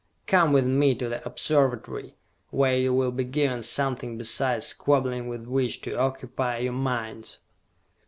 Come with me to the Observatory, where you will be given something beside squabbling with which to occupy your minds!"